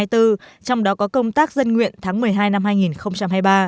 trong đó có công tác dân nguyện tháng một mươi hai năm hai nghìn hai mươi ba